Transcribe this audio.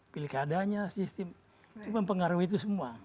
pilkadanya sistem itu mempengaruhi itu semua